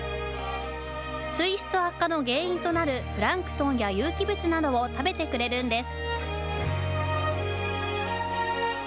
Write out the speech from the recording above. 水質悪化の原因となるプランクトンや有機物などを食べてくれるんです。